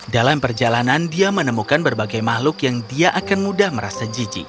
dalam perjalanan dia menemukan berbagai makhluk yang dia akan mudah merasa jijik